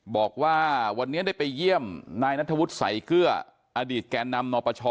บอกว่าวันนี้ได้ไปเยี่ยมนายนัทธวุฒิสายเกลืออดีตแก่นำนปช